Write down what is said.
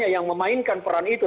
yang memainkan peran itu